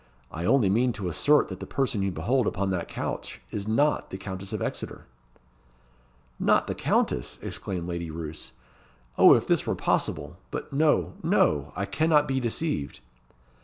"I only mean to assert that the person you behold upon that couch is not the Countess of Exeter." "Not the Countess!" exclaimed Lady Roos. "Oh, if this were possible! But no, no! I cannot be deceived."